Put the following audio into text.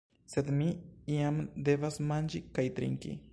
Sed mi iam devas manĝi kaj trinki.